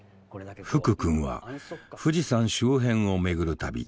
福くんは富士山周辺を巡る旅。